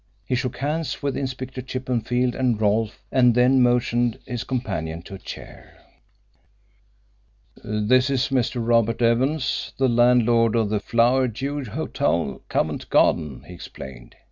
He shook hands with Inspector Chippenfield and Rolfe, and then motioned his companion to a chair. "This is Mr. Robert Evans, the landlord of the Flowerdew Hotel, Covent Garden," he explained.